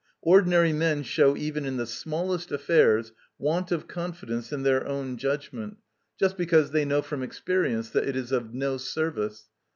Ordinary men show even in the smallest affairs want of confidence in their own judgment, just because they know from experience that it is of no service.